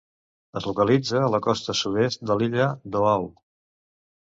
Es localitza a la costa sud-est de l'illa d'Oahu.